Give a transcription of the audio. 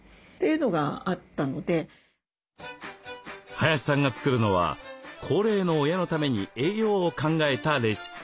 林さんが作るのは高齢の親のために栄養を考えたレシピ。